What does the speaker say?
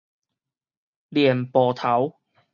蓮苞頭